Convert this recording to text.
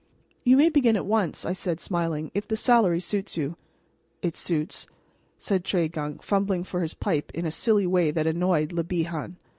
"You may begin at once," I said, smiling, "if the salary suits you?" "It suits," said Tregunc, fumbling for his pipe in a silly way that annoyed Le Bihan.